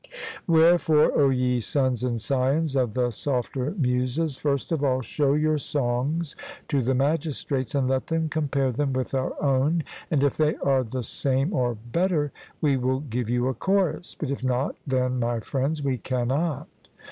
Wherefore, O ye sons and scions of the softer Muses, first of all show your songs to the magistrates, and let them compare them with our own, and if they are the same or better we will give you a chorus; but if not, then, my friends, we cannot.